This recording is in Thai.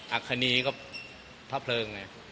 อัคฮานีก็พระเผลิง